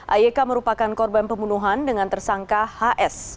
ayk merupakan korban pembunuhan dengan tersangka hs